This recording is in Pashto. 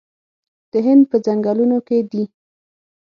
د هند په ځنګلونو کې دي